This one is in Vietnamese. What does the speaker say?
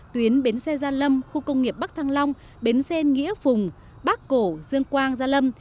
tuyến bến xe gia lâm khu công nghiệp bắc thăng long bến xe nghĩa phùng bắc cổ dương quang gia lâm